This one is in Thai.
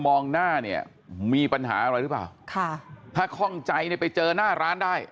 มองหน้าเนี่ยมีปัญหาอะไรหรือเปล่าค่ะถ้าข้องใจเนี่ยไปเจอหน้าร้านได้